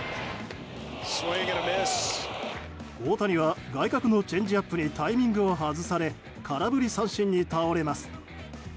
大谷は外角のチェンジアップにタイミングを外され空振り三振に倒れます。